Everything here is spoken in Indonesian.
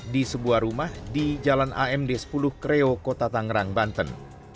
di sebuah rumah di jalan amd sepuluh kreo kota tangerang banten